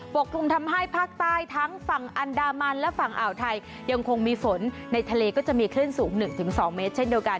กลุ่มทำให้ภาคใต้ทั้งฝั่งอันดามันและฝั่งอ่าวไทยยังคงมีฝนในทะเลก็จะมีคลื่นสูง๑๒เมตรเช่นเดียวกัน